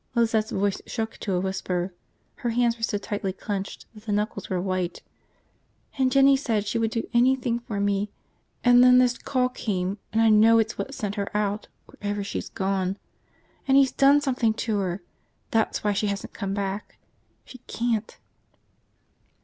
Lizette's voice shook to a whisper. Her hands were so tightly clenched that the knuckles were white. "And Jinny said she would do anything for me, and then this call came and I know it's what sent her out, wherever she's gone. And he's done something to her, that's why she hasn't come back! She can't!"